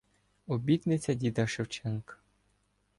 Обітниця діда Шевченка